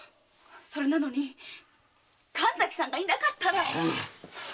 なのに神崎さんがいなかったら！